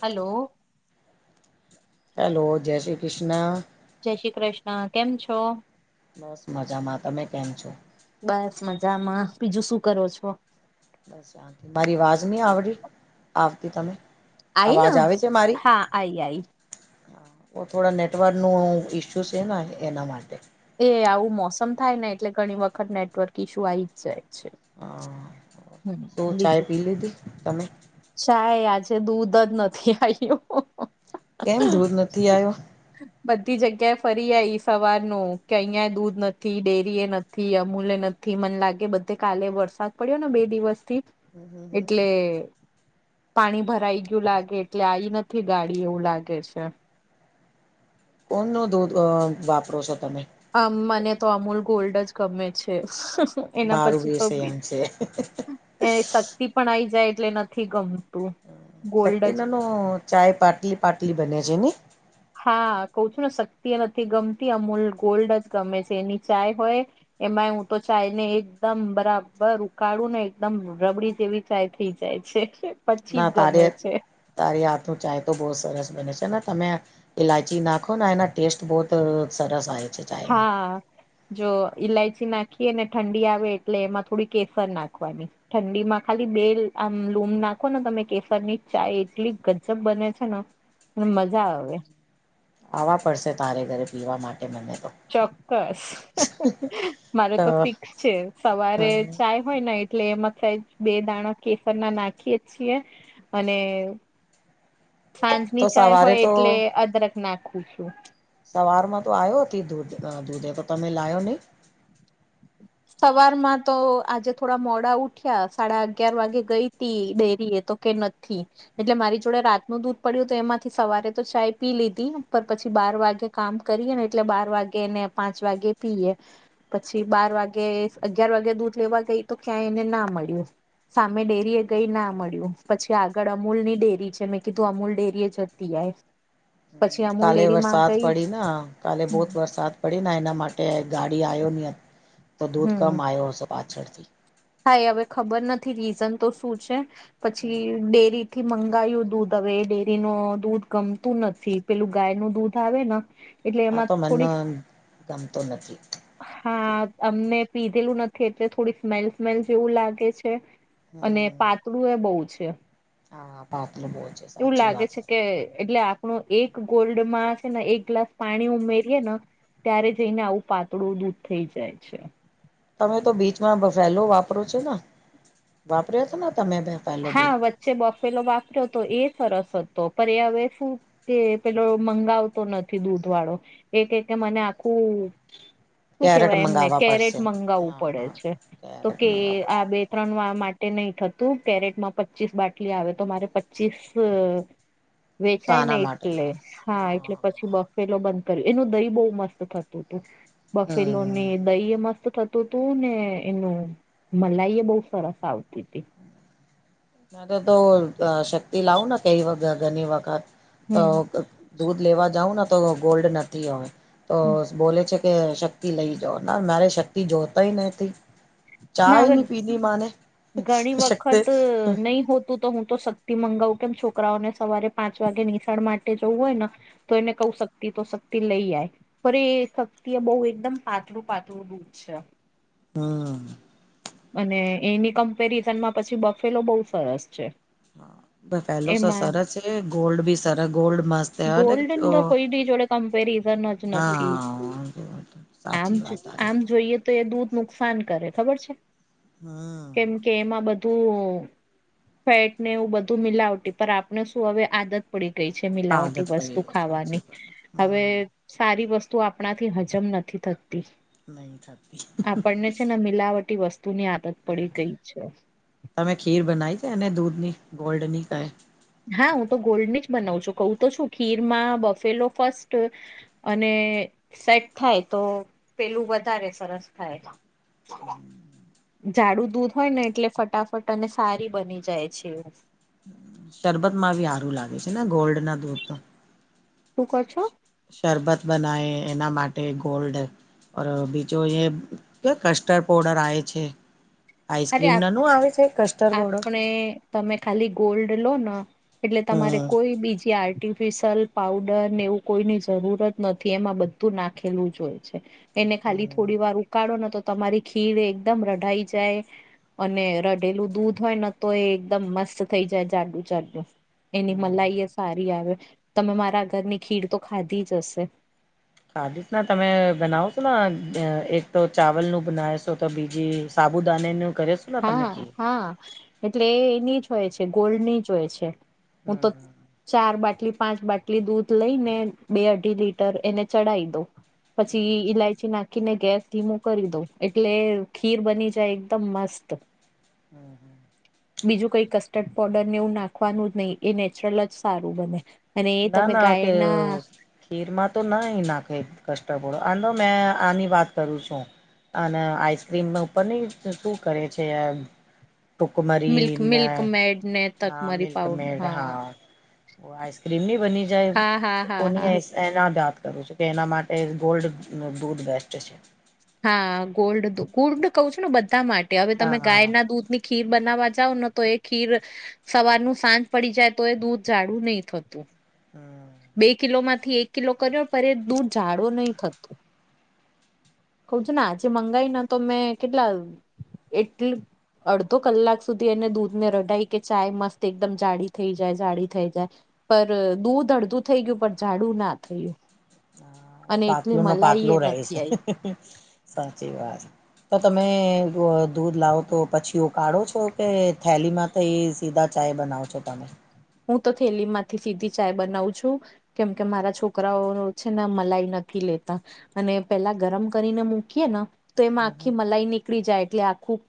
Hello. Hello, જય શ્રી કૃષ્ણ. જય શ્રી કૃષ્ણ. કેમ છો? બસ મજામાં. તમે કેમ છો? બસ મજામાં. બીજું શું કરો છો? બસ શાંતિ, મારી યાદ નહી આવડી આવતી તને? આઈ ને! હા આઈ આઈ. હા થોડા નેટવર્કનું ઈસ્યુ છે ને એના માટે. એ આવું મોસમ થાય ને એટલે ઘણી વખત નેટવર્ક ઈશ્યુ આવી જ જાય છે. હા શું હમ ચાય બીજું. પી લીધી તમે ચાય, આજે દૂધ જ નથી આવ્યું. કેમ દૂધ નથી [unintelligible] આવ્યો બધી જગ્યાએ ફરી આવીઈ સવાર નું કે અહિયાં દૂધ નથી, ડેરી એ નથી, અમૂલે નથી મને લાગે બધે કાલે વરસાદ પડ્યો ને બે દિવસ થી, એટલે પાણી ભરાઈ ગયું લાગે એટલે આ ઈ નથી ગાડી એવું લાગે છે. કોન નું દૂધ વાપરો છો તમે? આમ મને તો અમૂલ ગોલ્ડ જ ગમે છે. એના મારું પછી બી તો, સેમ છે એ શક્તિ પણ આઈ જાય એટલે નથી ગમત શક્તિના નું ચાય પટલી પટલી બને છે ને? હા કઉ છું ને શક્તિ નથી ગમતી. અમૂલ ગોલ્ડ જ ગમે છે એની ચાય હોય એમાંય હું તો ચાય ને એકદમ બરાબર ઉકાળું ને એકદમ રબડી જેવી ચાય થઈ જાય છે. પછી ના જ તારી ગમે છે તારી હાથ નું ચાય તો બહુ સરસ બને છે. ને તમે ઈલાયચી નાખોને એના ટેસ્ટ બહુત સરસ આવે છે. ચાયમાં હા. જો ઈલાયચી નાખીએ ને, ઠંડી આવે એટલે એમાં થોડી કેસર નાખવાની. ઠંડી માં ખાલી બે આમ લૂમ નાખો ને તમે કેસર ની ચાાય એટલી ગજબ બને છે ને! એમ મજા આવે. આવવા પડશે તારે ઘરે. પીવા માટે મને તો ચોક્કસ! મારે તો ફિક્સ છે. સવારે ચાય. હોયને એટલે એમાં સેજ બે દાણા કેસર ના નાખીએે છીએ, અને [inaudible] સાંજની તો ચાય સવારે હોય, તો એટલે અદરક નાખું છું. સવાર માં તો આયોતી દૂધ -દુધે તો તમે લાયો નહી? [inaudible] સવારમાં તો આજે થોડા મોડા ઉઠ્યા, સાડા અગયાર વાગે ગઈતી ડેરીએ તો. કે નથી. એટલે મારી જોડે રાતનું દૂધ પડ્યું તુ, એમાંથી સવારે તો ચાય પી લીધી, પણ પછી બાર વાગે કામ કરીએ ને એટલે બાર વાગે, ને પાંચ વાગે પીએ. પી બાર વાગે, અગિયાર વાગે દૂધ લેવા ગઈ, તો ક્યાં એને ના મળ્યું. સામે ડેરીએ ગઈ ના મળ્યું, પછી આગળ અમૂલ ની ડેરી છે, મેં કીધું અમૂલ ડેરીએ જતી યાય. હમ્મ, કાલે વરસાદ ગઈ પડીના, કાલે બહુત વરસાદ પડીને એના માટે ગાડી આવ્યો નહી, તો દૂધ કમ આવ્યો હશે પાછળથી. કાય હવે ખબર નથી રીઝન તો શું છે, પછી ડેરી થી મંગાયું દૂધ, હવે ડેરી ન દૂધ ગમતું નથી, પેલું ગાય નું દૂધ આવેને. આતો મને એમ ગમતું નથી. હા અમને પીધેલું નથી, એટલે થોડી સ્મેલ સ્મેલ જેવું લાગે છે. અને હમ પાતળું એ બહુ છે. હા, પતાડું બો છેે, સાચી વાત છે. એ એટલે આ થોડો એક ગોલ્ડમાં છે ને એક ગ્લાસ પાણી ઉમેરીએેને. ત્યારે જઈને આવું પાતળું દૂધ થઈ જાય છે. તમે તો બીચમાં બફેલો વાપરો છો ને, વાપર્યો તો ને તમે ભે હા વચ્ચે બફેલો વાપર્યો હતો, એ સરસ હતો, પણ એ હવે શું કે પેલો મંગાવતો નથી દૂધ વાળો, એ કે કે મને આખું [inaudible] શું કેવાય એમને મંગાવવા કેરેટ પડશે મંગાવવું હા પડે હા છે, તો કેરેટ કે મંગાવો આ બે ત્રણ વા માટે નહી થતું. કેરેટ માં પચીસ બાટલી આવે, તો મારે પચીસ વેચાય ને સાના માટે એટલે, લાવ હા એટલે પછી બ ફેલો બંધ કર્યો, એનું દહી બહુ મસ્ત થતું હતું, બફેલોને હમ દહી ઇ મસ્ત થ તું તુ ને, એનું મલાઈ એ બહુ સરસ આવતી હતી. મારેતો અ શક્તિ લાવુંને, કઈ ઘણી વખત તો હમ દૂધ લેવા જાઉંને તો ગોલ્ડ નથી હવે, તો બોલે છે. કે શક્તિ લઈ જાવ, ના મારે શક્તિ જોતોય નથી. ચા ના હવે ની પીધી માને, ઘણી શકતિ વખત નહી હોતું તો હું તો શક્તિ મંગાવું, કેમ છોકરાઓને સવારે પાંચ વાગે નિશાળ માટે જવું હોયને. તો એને કઉ, શક્તિ તો શક્તિ લઈ આય. પણ એ.... શક્તિ એ બહું એકદમ પાતળું પાતળું દૂધ છે હમ.... અને એની કમ્પેરિઝનમાં પછી બફેલો બહુ સરસ છે. બફેલો સ એમાં સરસ છે ગોલ્ડ ભી સરસ ગોલ્ડ મસ્ત હૈ ગોલ્ડન તો [unintelligible] કોઈની જોડે કમ્પેરિઝન જ નથી.. આમ સાચી વાત જ તારી આમ જોઈએ તો એ દૂધ નુકસાન કરે ખબર છે? હમ..... કેમ કે એમાં બધું... ફેટને એવું બધું મિલાવટી. પણ આપણે શું હવે આદત પડી ગઈ છે આદત મિલાવટી પડી વસ્તુ ગઈ સાચી ખાવાની વાત હવે હમ સારી વસ્તુ આપણાથી હજમ નથી થતી. નહી થતી આપણને છે ને મિલાવટી વસ્તુની આદત પડી ગઈ છે. તમે ખીર બનાવી છે ને દૂધ ની ગોલ્ડ ની કાય? હા હું તો ગોલ્ડની જ બનાવું છું કઉું તો છું ખીરમાં બફેલો ફસ્ટ અને.... સેટ થાય તો પેલું વધારે સરસ થાય. [inaudible] જાડું દૂધ હોય ને એટલે ફટાફટ અને સારી બની જાય છે. શરબતમાં બી સારું લાગે છે ને ગોલ્ડ ના દૂધ તો? શું ક્યો છો? શરબત બનાવ્યે એના માટે ગોલ્ડ બીજો એમ કે કસ્ટર્ડ પાઉડર આવે છે. અરે સ્ક્રીમ ના નો આવે છે કસ્ટર્ડ પાવડર આપણે.. તમે ખાલી ગોલ્ડ લો ને એટલે હમ તમારે કોઈ બીજ કે આર્ટિફિશયલ પાવડર ને એવું કોઈની જરૂર જ નથી એમાં બધું નાખેલું જ હોય છે. એને ખાલી હમ થોડીવાર ઉકાળો ને તો તમારી ખીર એકદમ રઢાઈ જાય. અને રઢેલું દૂધ હોય ને તો એ એકદમ મસ્ત થઈ જાય જાડું જાડું. એની મલાઈ એ સારી આવે. તમે મારા ઘરની ખીર તો ખાધી જ હશે. ખાધી સ ને તમે બનાવ છો ને એક તો ચાવલ નું બનાવશો તો બીજી સાબુદાનેનું કરેસ હા હા હા... એટલે એની જ હોય છે ગોલ્ડ ની જ હોય છે. હું હમ તો હમ ચાર બાટલી, પાંચ બાટલી દૂધ લઈ ને બે અઢી લીટર એને ચડાઈ દઉં. પછી ઈલાયચી નાખીને ગેસ ધીમું કરી દઉં એટલે.. ખીર બની જાય એકદમ મસ્ત. [unintelligible] હમ.... બીજું કઈ કસ્ટર્ડ પોડર ને એવું નાખવાનું જ નહી એ નેચરલ જ સારું બને. અને એ તમે ગાયના ખીર માં તો નઈ નાખે કસ્ટર્ડ પોડર આ તો મે આની વાત કરું છું. અને આઈસક્રીમ ઉપર નઇ શું કરે છે આ ટુકમરી મિલ્ક ને મિલ્ક મેડ ને હા તકમરી પાઉડ મિલ્કમેડ હા [unintelligible] ક્રીમી બની જાય હા હા હા કોની હા આઈસ્? એના જ વાત કરું છું કે એના માટે ગોલ્ડ નું દૂધ બેસ્ટ છે. હા.. ગોલ્ડ હતું ગોલ્ડ કઉં છું ને બધા માટે હવે તમે ગાય હા ના દૂધની ખીર બનાવવા જાવ ને તો એ ખીર સવારનું સાંજ પડી જાય તો એ દૂધ જાડું નહી થતું. હમ [unintelligible] બે કિલો માંથી એક કિલો કર્યો પણ એ દૂધ જાડો નહી થતો. કઉ છું ને આજે મંગાવયું ને તો મેં કેટલા એક લી અડધો કલાક સુધી એને દૂધ ને રઢાય કે ચાય મસ્ત એકદમ જાડી થઈ જાય જાળી થઈ જાય પર દૂધ અડધું થઈ ગયું પણ જાડું ના થયું. અને એટલી પાતલું નુ મલાઈ એ પાતલું રહે છે નથી આઈ. સાચી વાત. તો તમે દૂ દૂધ લાવો તો પછી ઉકાળો છો કે થેલીમાં થી એ સીધા ચાય બનાવ છો તમે? હું તો થેલી માંથી સીધી ચાય બનાવ છું. કેમ કે મારા છોકરાઓ છે ને મલાઈ નથી લેતા. અને પેલા ગરમ કરીને મૂકીએ ને તો એમાં હમ આખી મલાઈ નીકળી જાય એટલે આખું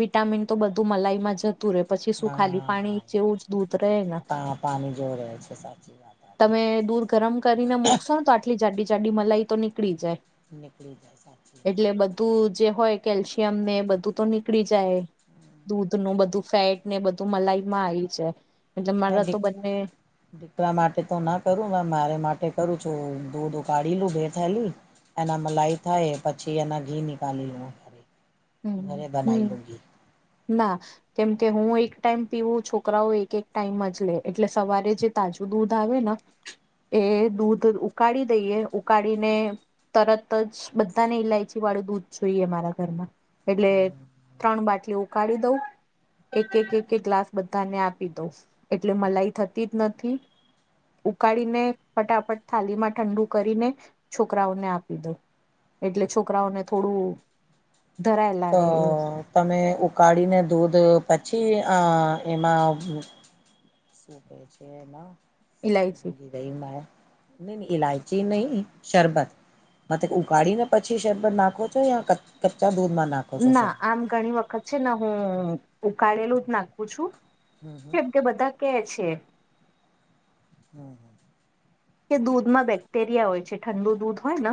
વિટામિન તો બધું મલાઈમાં જ તુરે પછી શું ખાલી પાણી હા જેવું જ દૂધ તો રહે ના પાણી જો રહે છે સાચી વાત તમે દૂધ ગરમ કરીને મૂકશો તો આટલી જાડી જાડી મલાઈ તો નીકળી જાય નિકળી જાય સાચી વાત છે. દુધ જે હોય કેલ્શિયમ ને બધું તો નીકળી જાય દૂધનું બધું ફેટ ને બધું મલાઈમાં આઈ જાય એટલે મે મારા તો બંને દીકરા માટે તો ના કરું મારે માટે કરું છું દૂધ ઉકાળે લું બે થેલી એના મલાઈ થાય પછી એના ઘી નીકાલી લઉ. હમ હમ ના કેમ કે હું એક ટાઈમ પીવું છોકરાઓ એક એક ટાઈમ જ લે એટલે સવારે જે તાજું દૂધ આવે ના એ દૂધ ઉકાળી દઈએ ઉકાળીને તરત જ બધાને ઈલાયચી વાળું દૂધ જોઈએ મારા ઘરમાં એટલે ત્રણ બાટલી ઉકાળી દઉં એક એક એક એક ગ્લાસ બધાને આપી દઉ એટલે મલાઈ થતી જ નથી ઉકાળીને ફટાફટ થાલીમાં ઠંડુ કરીને છોકરાઓને આપી દઉ. એટલે છોકરાઓને થોડું ધરાયેલા તો રે તમે ઉકાળીને દૂધ પછી આ એમાં શભ છે એમાં ઇલાયચી ભૂલી ગય મા [inaudible] નહી નહીં ઈલાયચી નહી શરબત માથે ઉકાળી ને પછી શરબત નાખો છો યા ક કચા દુધમાં ના ના આમ ઘણી વખત છેને હું ઉકાળેલું જ નાખું છું. હમ હમ કેમ કે બધા કે છે હમ. કે દૂધમાં બેક્ટેરિયા હોય છે ઠંડુ દૂધ હોય ને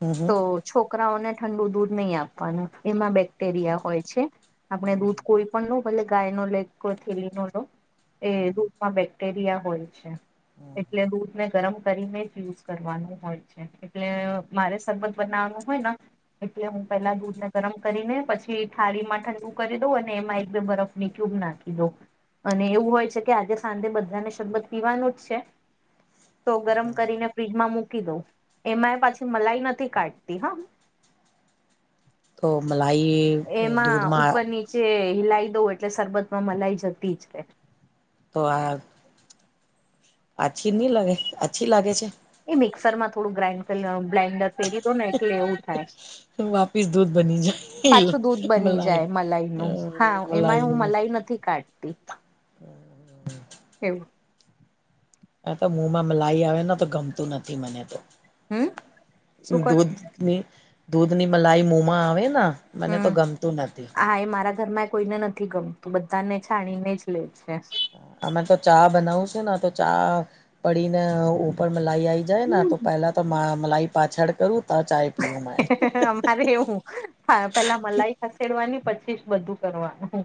હમ તો હમ છોકરાઓને ઠંડુ દૂધ નહી આપવાનું એમાં બેક્ટેરિયા હોય છે. આપણે દૂધ હમ કોઈ પણ લો ભલે ગાય નો લે થેલીનો લો એ દૂધમાં બે બેકટેરિયા હોય છે હમ એટલે દૂધ ગરમ કરીને જ યુઝ કરવાનું હોય છે એટલે મારે શબત બનાવવાનું હોય ને એટલે હું પેલા દૂધ ને ગરમ કરીને પછી થાળી મા ઠંડુ કરી દઉં અને એમાં એક બે બરફની ક્યુબ નાખી પીધો અને એવું હોય છે કે આજે સાંજે બધાને શરબત પીવાનું છે. તો ગરમ કરીને ફ્રીજમાં મૂકી દઉં એમાં એ પાછી મલાઈ નથી કાઢતી હા તો મલાઈ એમાં દૂધમાં ઉપર નીચે હિલાઈ દઉં એટલે શરબતમાં મલાઈ જતી જ રે. તો આ આછી નહી લાગે અચ્છી લાગે છે? એ મિક્સર થોડું કરી બ્લાઇન્ડર ફેરી દો ને એટલે એવું થાય. વાપિસ દૂધ બની જાય પાછું દૂધ બની મલાઈ જાય અ મલાઈનું હા એમાં હું મલાઈ નથ થી કાળતી. અહ. એવું. હ તો મોમાં મલાઈ આવેને તો ગમતું નથી મને તો હમ શું કહ છો દૂધ ની દૂધ ની મલાઈ મોમાં આવે ના હમ્મ હા એ મારા ઘરમાં કોઈને નથી ગમતું બધાને છાણીને જ લે છે. અમે તો ચા બનાવ છું ને તો ચા પડીને ઉપર મલાઈ આઈ જાય તો પહેલા તો મા મલાઈ પાછળ કરું ઉતા ચા પીયું મેં. અરે હું પેલા મલાઈ ખસેડવાની પછી જ બધું કરવાનું.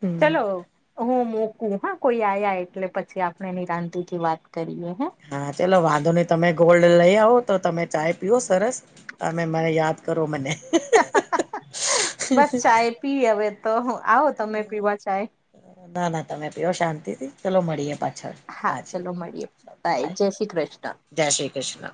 હમ ચલો. હું મોકું હા કોઈ આયા એટલે પછી આપડે નિરાંતીથી વાત કરીએ હ. હા ચલો વાંધો નહી તમે ગોલ્ડ લઈ આવો તો તમે ચાય પીઓ સરસ. તમે મને યાદ કરો મને. બસ ચાય પી હવે તો હું આવો હે તમે પીવા ચાય ના ના તમે પીઓ શાંતિથી ચલો મળીએ પા હા ચલો મળીએ. બાય, જય શ્રી કૃષ્ણ. જય શ્રી કૃષ્ણ.